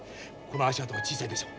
この足跡は小さいでしょ。